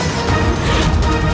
aku akan menangkanmu